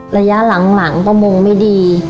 ระยะหลังประมงไม่ดี